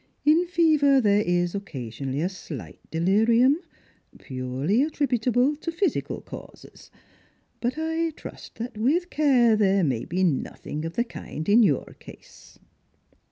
In fever there is occasionally a shght delirium, puiiely attributable to physieal causes. But I trust that with care there may bo nothing of the kind in. your case."